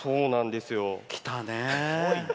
来たね！